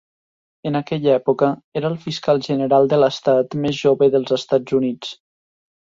En aquella època era el fiscal general de l'estat més jove dels Estats Units.